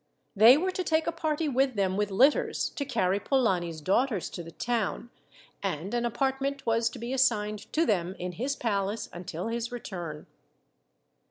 They were to take a party with them with litters to carry Polani's daughters to the town, and an apartment was to be assigned to them in his palace, until his return.